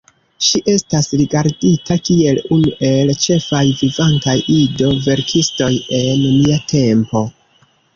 Ŝi estas rigardita kiel unu el ĉefaj vivantaj ido-verkistoj en nia tempo.